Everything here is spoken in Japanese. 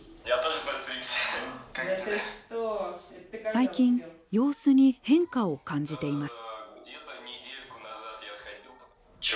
最近様子に変化を感じています。